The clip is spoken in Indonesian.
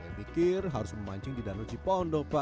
wah saya pikir harus memancing di danau cipondo pak